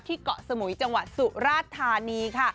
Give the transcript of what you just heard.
ที่เกาะสมุยจังหวัดสุราชธานี